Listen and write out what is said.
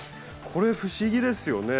これ不思議ですよね。